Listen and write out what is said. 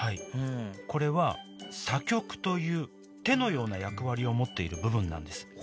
これは叉棘という手のような役割を持っている部分なんですへえ